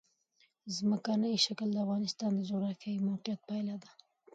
ځمکنی شکل د افغانستان د جغرافیایي موقیعت پایله ده.